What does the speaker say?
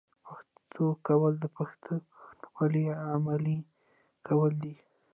پښتو کول د پښتونولۍ عملي کول دي.